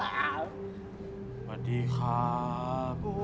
สวัสดีครับ